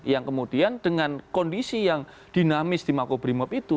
yang kemudian dengan kondisi yang dinamis di makobrimob itu